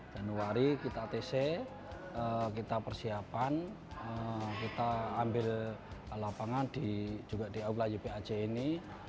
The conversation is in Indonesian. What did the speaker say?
januari kita atc kita persiapan kita ambil lapangan juga di aula ypac ini